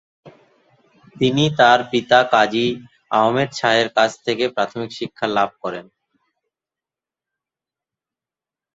তিনি তার পিতা কাজী আহমদ শাহের কাছ থেকে প্রাথমিক শিক্ষা লাভ করেন।